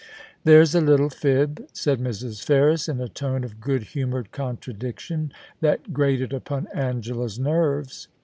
* There's a little fib,' said Mrs. Ferris, in a tone of good humoured contradiction that grated upon Angela's nerves.